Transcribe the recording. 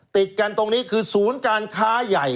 ติดกันตรงนี้คือศูนย์การค้าใหญ่